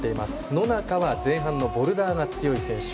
野中は前半のリードが強い選手。